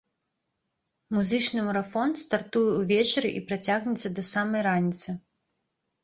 Музычны марафон стартуе ўвечары і працягнецца да самай раніцы.